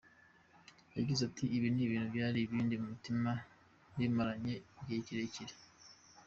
Yagize ati “Ibi ni ibintu byari bindi ku mutima mbimaranye igihe kirekire.